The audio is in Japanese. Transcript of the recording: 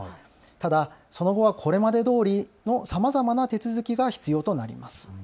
ただその後はこれまでどおりのさまざまな手続きが必要となります。